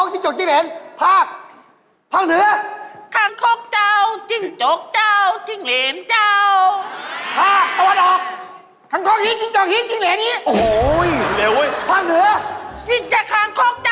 จิ้งจกเจ้าจิ้งเหรียญเจ้า